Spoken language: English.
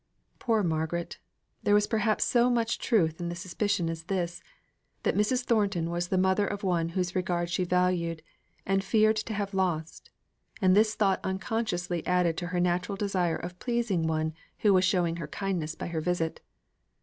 Poor Margaret! there was perhaps so much truth in the suspicion as this; that Mrs. Thornton was the mother of one whose regard she valued, and feared to have lost; and this thought unconsciously added to her natural desire of pleasing one who was showing her kindness by her visit.